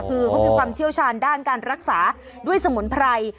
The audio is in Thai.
คือเขามีความเชี่ยวชาญด้านการรักษาด้วยสมุนไพร